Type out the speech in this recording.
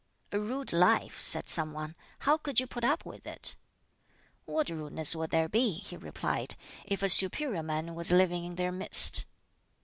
"A rude life," said some one; "how could you put up with it?" "What rudeness would there be," he replied, "if a 'superior man' was living in their midst?"